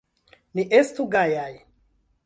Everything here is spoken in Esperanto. Ni estu gajaj!